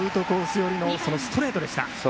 寄りのストレートでした。